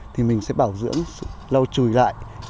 thì mình sẽ bảo dưỡng lâu chùi lại